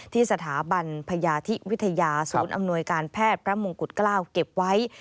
ที่สถาบันพยาธิวิทยาศูนย์อำนวยการแพทย์พระมงกุฎเกล้าเก็บไว้